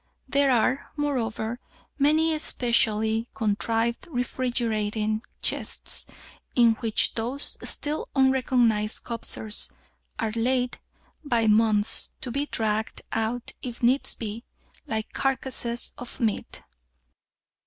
There are, moreover, many specially contrived refrigerating chests, in which those still unrecognized corpses are laid by for months, to be dragged out, if needs be, like carcasses of meat.